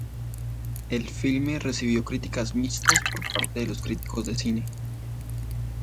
El filme recibió críticas mixtas por parte de los críticos de cine.